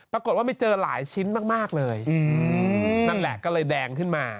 ปรากฏว่าไม่เจอหลายชิ้นมากเลยนั่นแหละก็เลยแดงขึ้นมา